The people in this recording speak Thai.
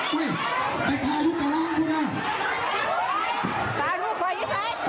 เข้าใจไปด้วยเข้าใจ